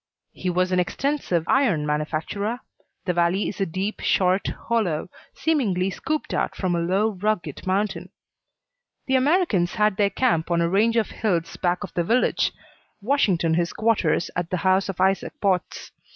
He was an extensive iron manufacturer. The valley is a deep, short hollow, seemingly scooped out from a low, rugged mountain. The Americans had their camp on a range of hills back of the village, Washington his quarters at the house of Isaac Potts.